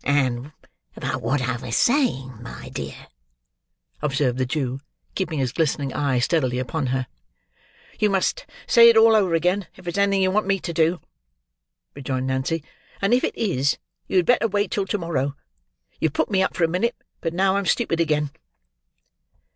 "And about what I was saying, my dear?" observed the Jew, keeping his glistening eye steadily upon her. "You must say it all over again, if it's anything you want me to do," rejoined Nancy; "and if it is, you had better wait till to morrow. You put me up for a minute; but now I'm stupid again."